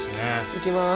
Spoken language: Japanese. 行きます。